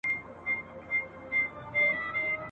په دوستي یې د ټولواک رضاکومه ..